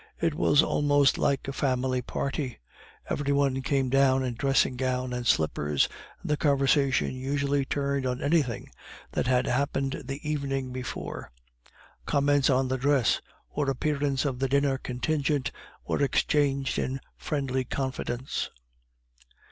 It was almost like a family party. Every one came down in dressing gown and slippers, and the conversation usually turned on anything that had happened the evening before; comments on the dress or appearance of the dinner contingent were exchanged in friendly confidence.